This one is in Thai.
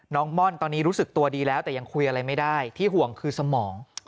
ม่อนตอนนี้รู้สึกตัวดีแล้วแต่ยังคุยอะไรไม่ได้ที่ห่วงคือสมอง